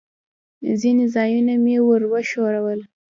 ځینې ځایونه مې ور وښوول.